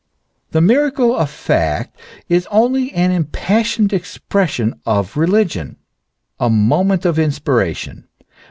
The miracle of fact is only an impassioned ex pression of religion, a moment of inspiration.